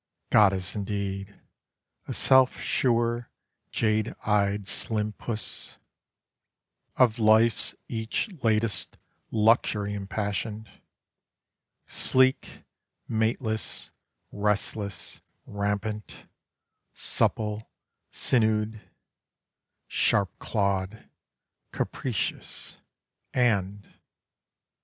Goddess indeed! A self sure, jade eyed, slim puss Of life's each latest luxury impassioned; Sleek; mateless; restless; rampant; supple sinewed; Sharp clawed; capricious; and